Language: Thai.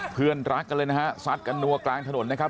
เพื่อนรักกันเลยนะฮะซัดกันนัวกลางถนนนะครับ